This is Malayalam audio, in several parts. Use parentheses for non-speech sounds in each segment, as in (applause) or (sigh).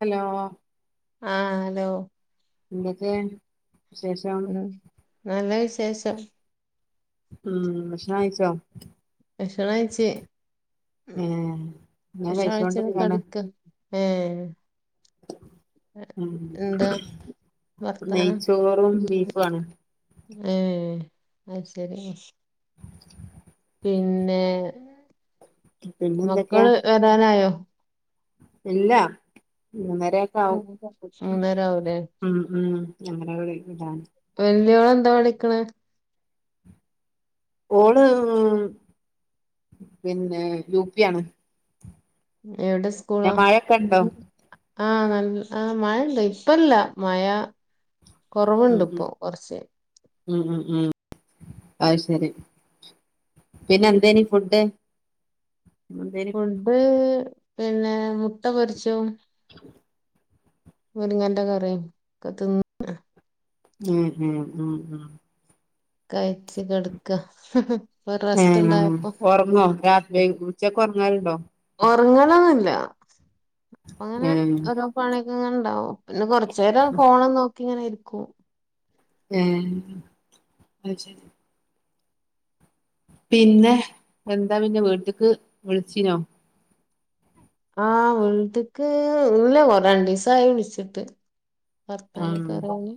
ഹലോ ആഹ് ഹലോ എന്തൊക്കെയാണ് ഉം നല്ല വിശേഷം ഉം ഭക്ഷണം കഴിച്ചോ? ഭക്ഷണം കയ്ച്ചി ഏഹ് ഞാൻ ഭക്ഷണം കൈച് കഴിച്ചോണ്ട്ക്കാണ് കടക്ക ഏഹ് ഉം എന്താ വർത്താനം നെയ്ച്ചോറും ബീഫും ആണ് ഏഹ് അയി ശരി പിന്നെ പിന്നെ എന്തൊക്കെയാ മക്കള് വരാനായോ ഇല്ല മൂന്നര മൂന്നര ആവൂലേ ഉം ഉം ഞങ്ങടെ അവിടെ ഇതാണ് വല്ലിയോള് എന്താ പഠിക്കണേ ഓള് പിന്നെ യുപി ആണ് എവിടെ സ്കൂളാ പിന്നെ മഴൊക്കെ ഉണ്ടോ ആഹ് നല്ല ആഹ് മഴണ്ട് ഇപ്പല്ല മഴ ഉം കൊറവുണ്ട് ഉം ഇപ്പോ കൊറച്ച് ഉം ഉം ഉം അയ് ശരി പിന്നെ എന്തേനി ഫുഡ്ഡ് ഫുഡ്ഡ് പിന്നെ മുട്ട പൊരിച്ചതും ആണൊ മുരിങ്ങാന്റെ കറിയും ഒക്കെ തിന്നു ഉം ഉം ഉം ഉം കയിച്ച് കെട്ക്ക ഏഹ് ഉറങ്ങോ രാ വെയ് ഉച്ചക്ക് ഉറങ്ങറലുണ്ടോ ഉറങ്ങലൊന്നില്ല അങ്ങനെ ഏഹ് ഓരോ പണിക്ക ഇങ്ങനെ ഉണ്ടാവും പിന്നെ കൊറചേരം ഫോണും നോക്കി ഇങ്ങനെയിരിക്കും ഏഹ് അയി ശെരി പിന്നെ എന്താ പിന്നെ വീട്ട്ക്ക് വിളിചിനോ ആഹ് വീട്ട്ക്ക് ഇല്ല രണ്ടിസായി വിളിച്ചിട്ട് വർത്താനൊക്കറയാന്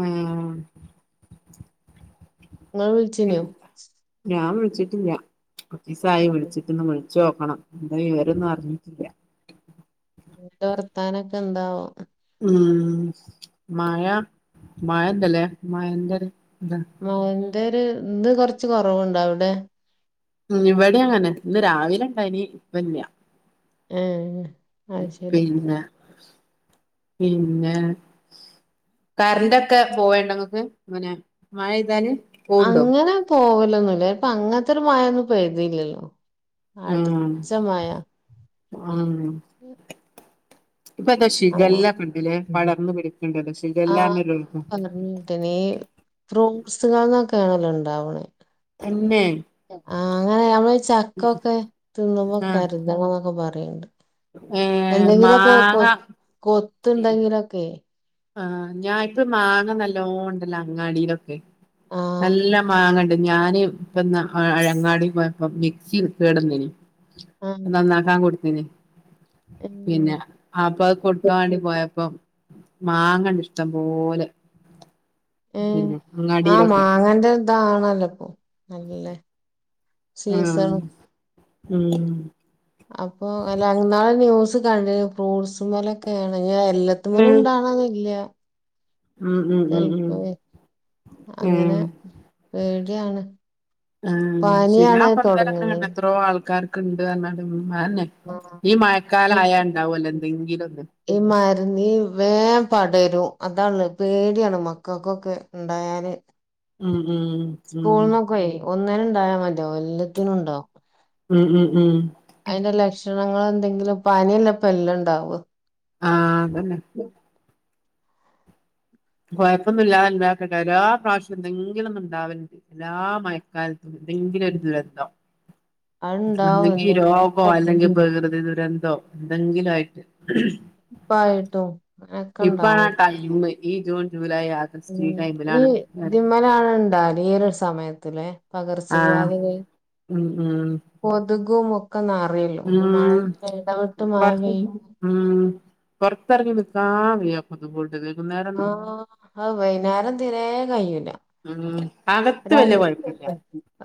ഉം ഇങ്ങള് വിളിച്ചീനോ ഞാൻ വിളിച്ചിട്ടില്ല കൊറച്ചിസായി ന്റെ വിളിച്ചിട്ടന്ന വിളി ച്ചോക്കണം എന്താ വിവരൊന്നും അറിഞ്ഞിട്ടില്ല എന്നിട്ട് വർത്താനൊക്കെ എന്താവോ ഉം മഴ മഴണ്ടല്ലേ മഴന്റൊരു ഇത് മഴന്റൊര് ഇന്ന് കൊറച്ച് കൊറവുണ്ട് അവിടെ ഉം ഇവിടെ അങ്ങനെ ഇന്ന് രാവിലെ ഉണ്ടായിനി ഇപ്പല്യാ ഏഹ് അയ് ശരി പിന്നെ പിന്നെ കറന്റ്ക്കെ പോവൽണ്ടങ്ങക്ക് അങ്ങനെ മഴയ്താല് അങ്ങനെ പോവലൊന്നുല്ല ഇപ്പൊ അങ്ങൻത്തൊരു മഴൊന്നും പെയ്തീല്ലല്ലോ ഉം ഉം ഇപ്പ ഏതോ ആഹ് ശിഖല്ലകണ്ടിലെ ഉം പടർന്നു പിടിക്ക്‌ണ്ടല്ലോ ശിഖല്ലാർഞ്ഞ രോഗം ഈ ഫ്രൂട്ട്സുകൾന്നൊക്കെയാണല്ലോ ഉണ്ടാവണേ തന്നെ ആഹ് അങ്ങനെ നമ്മള് ചക്കൊക്കെ തിന്നുമ്പോ ആഹ് കരുതണം എന്നൊക്കെ പറയണ്ട് ഏഹ് എന്തെങ്കിലൊക്കെ കൊ മാങ്ങ കൊത്ത്ണ്ടെങ്കിലൊക്കെ ആഹ് ഞാൻ ഇപ്പയീ മാങ്ങ നല്ലോ ഇണ്ടല്ലോ അങ്ങാടിയിലൊക്കെ ആഹ് നല്ല മാങ്ങണ്ട് ഞാന് ഇപ്പെന്ന് അങ്ങാടി പോയപ്പം മിക്സി കേട് വന്നീനി ആഹ് അത് നന്നാക്കാൻ കൊടുത്തീനി ഉം പിന്നെ അപ്പൊ അത് കൊടുക്കാൻ വേണ്ടി പോയപ്പം മാങ്ങണ്ട് ഇഷ്ട്ടം പോലെ ഏഹേ പിന്നെ ആഹ് അങ്ങാടിയിലൊക്കെ മാങ്ങന്റെ ഇതാണല്ലോ ഇപ്പൊ നല്ലേ ആഹ് ഉം അപ്പൊ അല്ല ഇന്നാള് ഒരു ന്യൂസ് കണ്ടീനി ഫ്രൂട്ട്സ്മ്മല് ഒക്കെ ഏണ് ഇഞ്ഞ് അത് എല്ലത്ത്മ്മലും ഇണ്ടാവണംന്നില്ല ഉം ഉം ഉം ഉം അങ്ങനെ ഏഹ് പേടിയാണ് ആഹ് ശരി പനിയാണ് അത്ന് ഞാൻപ്പ ഇന്നലെ ഇങ്ങനെ തൊടങ്ങ്ണെ കണ്ട് എത്രോ ആൾക്കാർക്ക് ഇണ്ട് പർഞ്ഞാട്ട് ഉം അതന്നെ ആഹ് ഈ ഉം. മഴക്കാലായാ ഇണ്ടാവൊല്ലോ എന്തെങ്കിലൊന്ന് ഈ മരുന്ന് ഈ വേം പടരും അതാണ് പേടിയാണ് മക്കക്കൊക്കെ ഇണ്ടായാല് ഉം ഉം ഉം സ്കൂൾന്നൊക്കെ ഒന്നിന് ഇണ്ടായ മരിയാവും എല്ലാത്തിനും ഇണ്ടാവും ഉം ഉം ഉം അയിന്റെ ലക്ഷണങ്ങള് എന്തെങ്കിലും പനിയല്ലെ ഇപ്പൊ എല്ലുംണ്ടാവ ആഹ് അതന്നെ കൊഴപ്പൊന്നും ഇല്ലാത ഇല്ലാതക്കട്ടെ എല്ലാ പ്രാവിശ്യം എന്തെങ്കിലൊന്ന് ഇണ്ടാവലുണ്ട് എല്ലാ മഴക്കാലത്തും എന്തെങ്കിലൊരു ദുരന്തം അത്ണ്ടാവും ഒന്നെങ്കി എന്തെങ്കിലും രോഗോ, അല്ലെങ്കില് പ്രകൃതി ദുരന്തോ, എന്തെങ്കിലു ആയിട്ട് നിപ്പായിട്ടും ഇപ്പാണ് ആ ടൈമ് ഈ ജൂൺ ജൂലൈ ആഗ ഉം ഈ ഇതിമ്മലാണ് അത് ഇണ്ടാവല് ഈ ഒരു സമയത്തിലെ? പകർച്ച ആഹ് വ്യാധികൾ ഉം ഉം കൊതുകും ഒക്കെ നറിയല്ലോ ഉം മഴ ഇടവിട്ട് മഴ വർ പെയ് ഉം പൊറത്തറങ്ങി നിക്കാൻ വയ്യ (unintelligible) വൈകുന്നേരം ആഹ് ഹാവൂ വൈന്നേരം തിരേ കയ്യൂല ഉം അകത്ത് വല്ല്യ കൊഴപ്പല്യ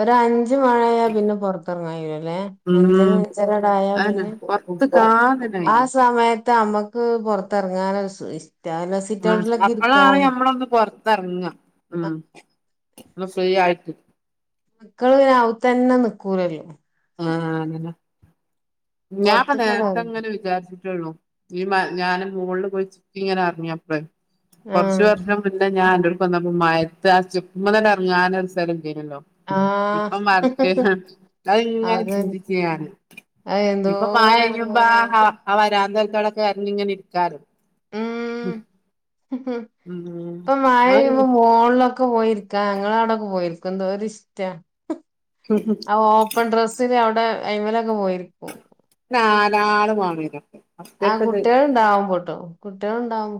ഒര് അഞ്ച് അഞ്ച് മണി ആയാ പിന്നെ പൊറത്ത് എറങ്ങാൻ കഴിയൂലല്ലേ ഉം അഞ്ചണി അഞ്ചരാണ്ട് ആയാ അതന്നെ പിന്നെ പൊറത്ത്ക്കാൻ തന്നെ ആ കയ്യൂല സമയത്ത് അമ്മക്ക് പൊറത്ത് എറങ്ങാനൊരു ഇഷ്ട്ട നല്ല സു ആഹ് അപ്പഴാണ് ഞമ്മളൊന്ന് പൊറത്ത് എറങ്ങ ആ ഉം ഒന്ന് ഫ്രീയായിട്ട് മക്കള് പിന്നെ ഔത്തന്നെ നിക്കൂലല്ലോ? ആഹ് അങ്ങനെ ഞാൻ ഇപ്പൊ പൊറത്ത്ക്കതാ നേരത്തെ ഇങ്ങനെ വിചാരിച്ചിട്ടൊള്ളൂ ഈ മഴ ഞാന് മോളില് പോയി ചിക്കിയിങ്ങനെ എറങ്ങിയപ്പഴേ കൊറച്ച് ആഹ് വർഷം മുന്നെ ഞാൻ അന്റോട്ക്ക് വന്നപ്പോ മഴത്ത് ആ സ്റ്റെപ്പ്മ്മെന്ന് തന്നെ എറങ്ങാനൊരു സ്ഥലം ഇല്ലേനിയല്ലോ? ആഹ് ഇപ്പം വർ (unintelligible) ഇങ്ങനെ അതന്നെ ചിന്തിച്ച് ഞാന് അത് ഇപ്പൊ മഴ എന്തോര് പെയ്യുമ്പം എടങ്ങേറ് ആ ഹാ ആ വരാന്ത അൻക്ക് അവിടെ കേറിങ്ങനെ ഇരിക്കാലോ ഉം ഉം ഉം ഇപ്പ മഴ അത് പെയ്യുമ്പോ മോണിലൊ ലൊക്കെ പോയിരിക്കാ ഞങ്ങള് അവിടൊക്കെ പോയിരിക്കും എന്തോര് ഇഷ്ട്ട ഉം ഹം ആ ഓപ്പൺ ടെസ്സില് അവിടെ അയിമലൊക്കെ പോയി ഇരിക്കും നാലാള് (unintelligible) ആഹ് കുട്ടികള് ഉണ്ടാവും (unintelligible) കുട്ടികള് ഉണ്ടാവും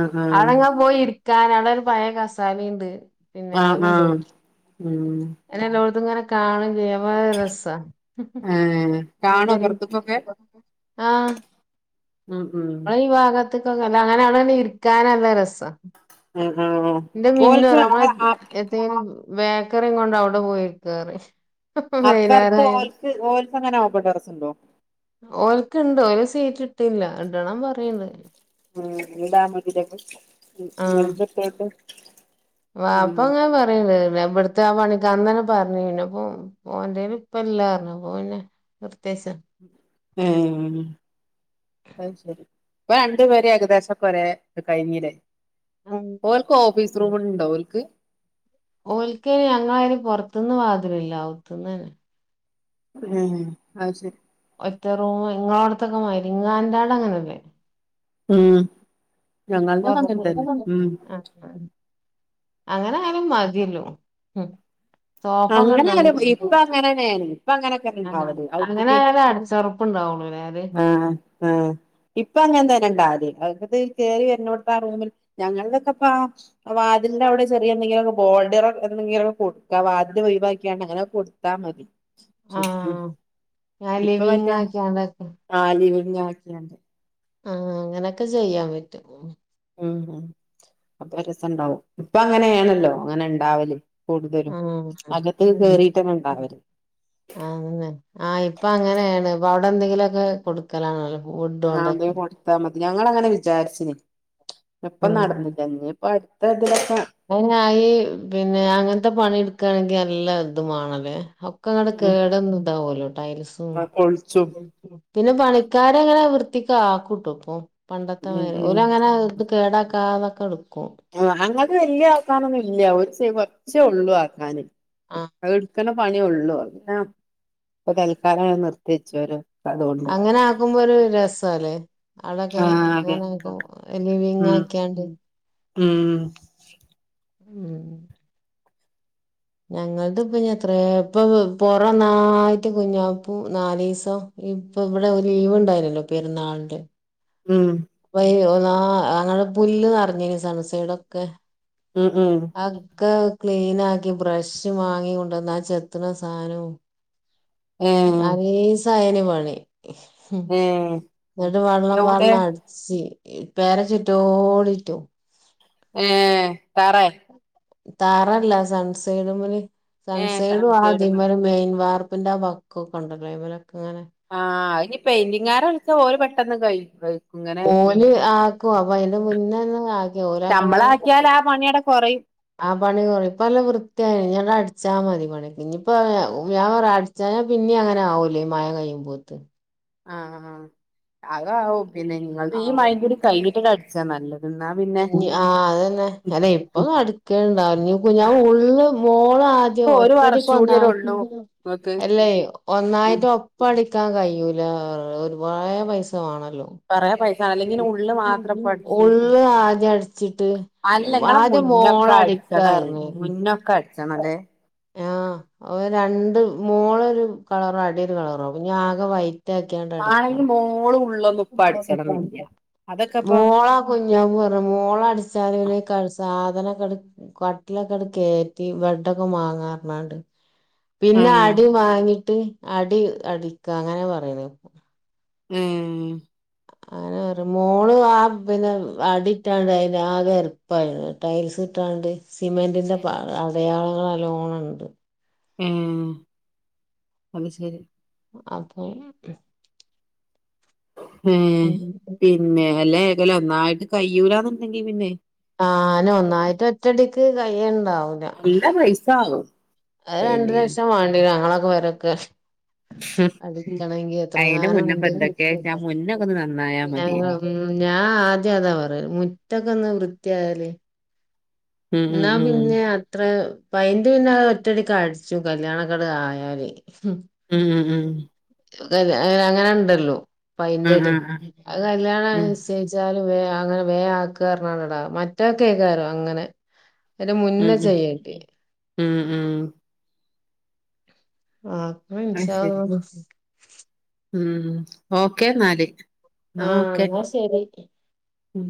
ആഹ് അവിടെങ്ങാനും പോയി ഇരിക്കാൻ അവിടെ ഒരു പഴയ കസാരയുണ്ട് ആഹ് ആഹ് ഉം അങ്ങനെ എല്ലോടത്തും ഇങ്ങനെ കാണുവേയും ചെയ്യാം ഭയങ്കര രസവാ ഏഹ് കാണോ പൊറത്ത്ക്കൊക്കെ (unintelligible) ആഹ് ഉം ഉം നമ്മടെ ഈ ഭാഗത്തൊക്കെ അങ്ങനെ അവിടെ തന്നെ ഇരിക്കാൻ നല്ല രസവാ ആഹ് ആഹ് ഓൽക്ക് ഇങ്ങളെ അ (unintelligible) (unintelligible) ബേക്കറിയും കൊണ്ട് അവിടെ പോയിരിക്കാ പറയും അപ്പറത്ത് വൈന്നേരായാല് ഓൽക്ക് ഓൽക്ക്‌ അങ്ങനെ അപ്പൊ ടെറസുണ്ടോ? ഓൽക്കുണ്ട് ഓല് സീറ്റ് ഇട്ടില്ല ഇടണം പറയണ്ട് ആഹ് (unintelligible) വാപ്പ ഇങ്ങനെ പറയണ്ട് ഇവി ത്തെ പണിക്ക് അന്ന് തന്നെ പറഞ്ഞീന് ഇപ്പൊ ഓന്റെ കൈയിൽ ഇപ്പ ഇല്ലാ പറഞ്ഞ് ഓന് നിർത്തിവെച്ച ഉം അത് ശരി ഇപ്പ രണ്ട്‌ പേര് ഏകദേശം ഒക്കെ ഒരേ കഴിഞ്ഞില്ലേ ഓൽക്ക് ഓഫീസ് റൂമ് ഉണ്ടോ ഓൽക്ക് ഓൽക്ക്‌ (unintelligible) പുറത്തൂന്ന് വാതിലില്ല അകത്തൂന്ന് ഉം അത് ശെരി ഒറ്റ റൂമ് ഇങ്ങടെ അടുത്തൊക്കെ (unintelligible) അങ്ങനെയല്ലേ ഉം ഞങ്ങളുടേത് അങ്ങനെ പൊറത്ത് തന്നെ ഉം ആഹ് അങ്ങനെ ആയാലും മതിയല്ലോ ഉം അങ്ങനെ ആയാലും ഇപ്പ (unintelligible) അങ്ങനെന്നെയാണ് ഇപ്പ അങ്ങനെയൊക്കെ ഉണ്ടാവല് അങ്ങനെ അവത്തക്ക് ആണേലെ അടിച്ചൊറ പ്പ് ഉണ്ടാവൂള്ളല്ലേ അത് ആഹ് ആഹ് ഇപ്പൊ അങ്ങനെ തന്നെ ഇണ്ടോ (unintelligible) കേറി വരുന്നിടത്ത് ആ റൂമില് ഞങ്ങൾതൊക്കെ ഇപ്പ വാതിലിന്റെ അവിടെ ചെറിയ എന്തെങ്കിലുമൊക്കെ ബോർഡർ എന്തെങ്കിലൊക്കെ കൊടുക്കാ വാതി ല് ഒഴിവാക്കിങ്ങാണ്ട് അങ്ങനെ അങ്ങ് കൊടുത്താൽ മതി ആഹ് ഞാൻ ഇപ്പ ലിവിങ് മറ്റേ ആക്കിയാണ്ടൊക്കെ (unintelligible) ആക്കിയാണ്ട് ആഹ് അങ്ങനെയൊക്കെ ചെയ്യാൻ പറ്റും ഉം അപ്പൊ രസം ഉണ്ടാവും ഇപ്പ അങ്ങനെയാണല്ലോ അങ്ങനെ ഉണ്ടാവല് കൂടുതലും അകത്ത് കേറീട്ടാണ് ഉണ്ടാവല് ആണല്ലേ ആഹ് ഇപ്പൊ അങ്ങനെയാണ് ഇപ്പ അവിടെ എന്തെങ്കിലുമൊക്കെ കൊടു ക്കലാണല്ലോ കൂ ആഹ് അത് കൊടുത്താ മതി ഞങ്ങളങ്ങനെ വിചാരിച്ചിന് അപ്പം നടന്നില്ല ഇനിയും ഒറ്റ ദിവസം ഈ പിന്നെ അങ്ങനത്തെ പണി എടുക്കാണെങ്കിൽ നല്ലാം ഇതുമാണല്ലേ ക്കെ അങ്ങട് ഉം കേട് വന്ന് ഇതാവൂല്ലോ ടൈൽസും കൊഴിച്ചും പിന്നെ പണിക്കാര് അങ്ങനെ വൃത്തിക്ക്‌ ആക്കൂട്ടോ ഇപ്പൊ പണ്ടത്തെ ഉം മാതിരി ഉം ഓലങ്ങനെ ഇത് കേടാക്കാതെ ഒക്കെ എടുക്കും ആഹ് ഞങ്ങൾത് വല്യ ആക്കാനൊന്നും ഇല്ല ഒരു കുറച്ചേ ഉള്ളൂ ആക്കാന് ആഹ് അത് എടു ക്കലെ പണിയൊള്ളൂ അങ്ങനെ ഇപ്പൊ തൽക്കാലം നിർത്തി വെച്ച് ഓരോ അതുകൊണ്ട് അങ്ങനെ ആക്കുമ്പോ ഒരു രസവല്ലേ ആളൊക്കെ ആഹ് അതെ അങ്ങനെയൊക്കെ ലിവിങ്ങ് ഉം ആക്കിയാണ്ട് ഉം ഉം ഞങ്ങൾത് ഇപ്പെനിത്രേ ഇപ്പ ഇപ്പൊ പൊറന്നായിട്ട് കുഞ്ഞപ്പൂ നാലീസം ഇപ്പൊ ഇവിടെ ലീവ് ഉണ്ടായിരുന്നല്ലോ പെരുന്നാളിന്റെ ഉം ഇപ്പയ് ഒന്നാ അങ്ങട് പുല്ല് നറഞ്ഞിനിം സൺസൈടൊക്കെ ഉം ഉം അഹ് ഒക്കെ ക്ലീൻ ആക്കി ബ്രഷ് വാങ്ങി കൊണ്ട് വന്നാ ചെത്തണ സാനവും ഏഹ് ആറീസം അതെയ്നിം പണി ഏഹ് എന്നിട്ട് വെള്ളം എവിടെ പാർന്ന് അട്ച്ച് ച്ച് ഏഹ് പെര ചുറ്റോട് ചുറ്റും ഏഹ് തറേ? തറല്ല സൺസൈട്മ്മല് ഏ സൺസൈഡും സൺസൈഡ് മെ ആതിമ്മലും മെയിൻ വർപ്പിന്റെ വക്കും ക്കും ഒക്കെ ഇണ്ടല്ലോ അയ്മലൊക്കെ ഇങ്ങനെ ആഹ് അഹ് ഇനി പെയിന്റിങ്ങാരെ വിളിക്കോ ഓര് പെട്ടെന്ന് കഴി കഴിക്കും ഇങ്ങനെ ഓല് ആക്കും അപ്പൊ അയ്ന്റെ മുന്നേന്നെ ആക് നമ്മളാക്കിയാല് ആ പണി അവിടെ കൊറയും. ആ പണി കൊറയും ഇപ്പ നല്ല വൃത്തിയായി ഇഞ്ഞി ആണ്ട് അടിച്ചാ മതി പണി ഇനിയിപ്പ ഞാൻ പറയാ അടി അട്ച്ചാഞ്ഞ പിന്നെ അങ്ങനെ ആവൂലെ ഈ മഴ കഴിയുമ്പോത്ത്? ആഹ് ആഹ് അത് ആവും പിന്നെ ഇങ്ങൾത് ഈ ആവും മഴേം കൂടി കഴിഞ്ഞിട്ടണ് അടിച്ചാ നല്ലത്. എന്നാ പിന്നെ ഇഞ്ഞി ആ അതന്നെ അല്ല ഇപ്പൊ അടിക്കലുണ്ടാവില്ല ഇഞ്ഞി (unintelligible) ഉള്ള് മോള് ഇനിയിപ്പോ ആദ്യം ഒരു ഒറ്റടിക്ക് വർഷം ഒന്നാ കൂടിയല്ലേ ഉള്ളൂ ഇങ്ങക്ക് അല്ലേയ് ഉം ഒന്നായിട്ട് ഒപ് ഒപ്പടിക്കാൻ കഴിയൂല ഒരുപാട് പൈസ വേണല്ലോ. കൊറേ പൈ അല്ലങ്ങിനെ ഉള്ളള് മാത്രം ഇപ്പൊ അടിച്ചും ഉള്ള് ആദ്യം അടിച്ചിട്ട് അല്ല ഇങ്ങളെ ആദ്യം മുന്നൊക്കടി അട്ച്ചണെ മോളടിക്കാർഞ്ഞ് മുന്നൊക്കെ അട്ച്ചണം ലെ? ആഹ് അഹ് രണ്ടും മോളൊരു കളറാ അടിയൊരു കളറാ അപ്പഞ്ഞി ആകെ വൈ മാണെങ്കി മോളും ഉള്ളും മോള കുഞ്ഞാമ്മു പറഞ്ഞു മോള് അടിച്ചാലു (unintelligible) സാധനക്കട് കട്ടിലൊക്കെ അട് കേറ്റി ബെഡൊക്കെ വാങ്ങാ പർഞാണ്ട് പിന്നെ ആഹ് അടി വാങ്ങിട്ട് അടി അടിക്ക അങ്ങനെ പറയ്ണ് ഇപ്പൊ ഏഹ് അങ്ങനെ പറയും മോള് ആ പിന്നെ അടിറ്റാണ്ട് അയിന് ആകെ എരപ്പായി ടൈൽസ് ഇിട്ടാണ്ട് സിമെന്റിന്റെ പാ അടയാളങ്ങള് നല്ലോണം ഉണ്ട്. ഏഹ് അത് ശരി. അപ്പം ഏഹ് പിന്നെ അല്ല (unintelligible) ഒന്നായിട്ട് കയ്യൂലന്നുണ്ടെങ്കി പിന്നെയ് ആഹ് ന ഒന്നായിട്ട് ഒറ്റടിക്ക് കൈയ്യുണ്ടാവും. നല്ല പൈസ ആകും. അത് രണ്ടു പിന്നീട് ലക്ഷം വാണ്ടി വരും ഞങ്ങളൊക്കെ പെരക്ക്‌. അത് കിട്ടണെങ്കി അയിന്റെ എത്രങ്ങാനും മുന്നപ്പ ഉണ്ട് എന്തൊക്കെയ വെച്ചാ (unintelligible) മുന്നൊക്കെ ഒന്ന് നന്നായാ മതിയേനി ഉം ഞാൻ ആദ്യം അതാ പറയ മുറ്റക്കൊന്ന് വൃത്തി ആയാലെയ് ഉം ഉം ഇന്നാ ഉം പിന്നെ അത്ര പയിന്റ് പിന്നെ അത് ഒറ്റടിക്ക് അടിച്ചും കല്യാണൊക്കെ ആയാല് ഉം ഉം ഉം. അങ്ങനെ ഉണ്ടല്ലോ, ഉം ഉം പൈന്റടി. ഉം അത് കല്യാണംഅനുസരിച് ജ്ജാല് വേ അങ്ങനെ വേ ആക്ക് പറഞ്ഞാളെടാ, മറ്റാൾക്കേകാരം അങ്ങനെ. അത് ഉം ഉം മുന്നേ ഉം ചെയ്യണ്ടെ ഉം ഉം. ആഹ് അത് ശരി, ഉം, ഓക്കെ ന്നാല്. ആഹ്, ഓക്കെ. എന്നാ ശരി ഉം.